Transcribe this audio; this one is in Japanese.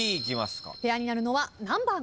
ペアになるのは何番？